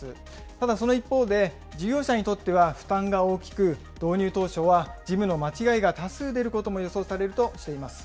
ただその一方で、事業者にとっては負担が大きく、導入当初は事務の間違いが多数出ることも予想されるとしています。